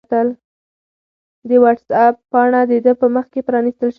د وټس-اپ پاڼه د ده په مخ کې پرانستل شوې وه.